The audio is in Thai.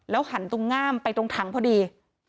หันตรงง่ามไปตรงถังพอดี